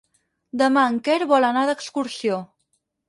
Demà en Quer vol anar d'excursió.